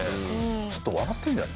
ちょっと笑ってんじゃない？